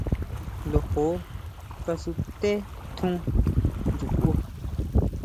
Lojo kasuté tjún ʼndsukʼu.